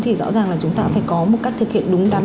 thì rõ ràng là chúng ta phải có một cách thực hiện đúng đắn